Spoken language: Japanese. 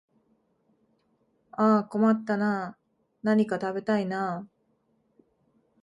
ああ困ったなあ、何か食べたいなあ